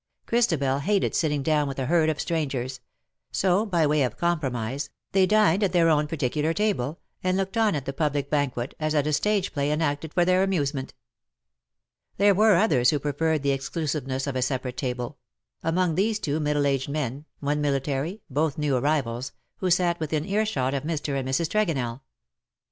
Chris tabel hated sitting down with a herd of strangers ; so, by way of compromise, they dined at their own particular table, and looked on at the public banquet, as at a stage play enacted for their amusement. There were others who preferred the exclusiveness " NOT THE GODS CAN SHAKE THE PAST." 13? of a separate table : among these two middle aged men — one military, both new arrivals — who sat within earshot of Mr. and Mrs. Tregonell.